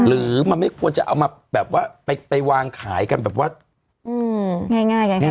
หรือมันไม่ควรจะเอามาแบบว่าไปไปวางขายกันแบบว่าอืมง่ายง่ายกัน